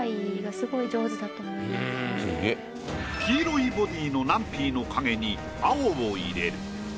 黄色いボディーのナンピーの影に青を入れる。